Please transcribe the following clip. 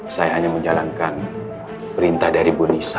saya hanya menjalankan perintah dari bu nisa